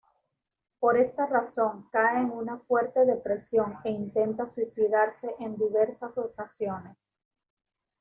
Por esta razón, cae en una fuerte depresión e intenta suicidarse en diversas ocasiones.